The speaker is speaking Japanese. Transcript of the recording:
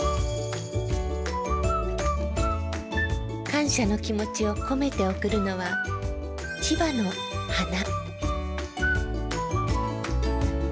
感謝の気持ちを込めて贈るのは千葉の花。